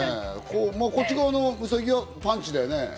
こっちのウサギはパンチだよね。